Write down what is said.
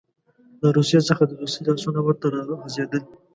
له روسیې څخه د دوستۍ لاسونه ورته راغځېدل.